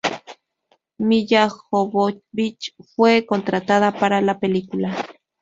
Milla Jovovich fue contratada para la película.